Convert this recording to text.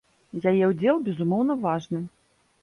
Яе ўдзел, безумоўна, важны.